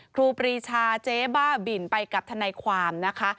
ครูปรีชาเจ๊บ้าบินไปกับทนายความนะคะ